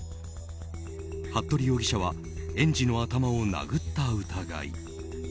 服部容疑者は園児の頭を殴った疑い。